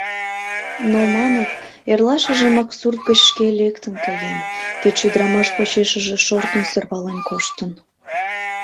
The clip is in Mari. Но, маныт, эрлашыжымак сурт гыч шке лектын каен, кеч ӱдырамаш почешыже шортын-сӧрвален коштын.